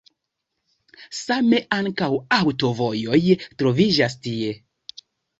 Same ankaŭ aŭtovojoj troviĝas tie.